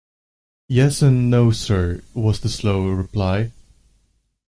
Yes, and no, sir, was the slow reply.